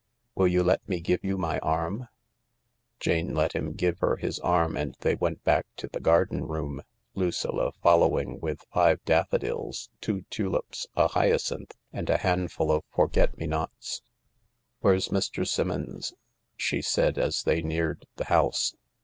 Will you let me give you my arm ?" Jane let him give her his arm and they went back to the garden room, Lucilla following with five dafiodils, two tulips, a hyacinth, and a handful of forget me nots. "Where's Mr. Simmons ?" she said as they neared the house.